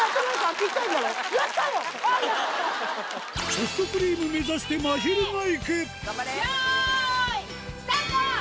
ソフトクリーム目指してまひるがいく用意スタート！